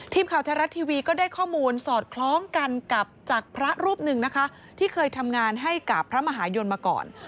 ทีมข่าวไทยรัฐทีวีก็ได้ข้อมูลสอดคล้องกันกับจากพระรูปหนึ่งนะคะที่เคยทำงานให้กับพระมหายนมาก่อน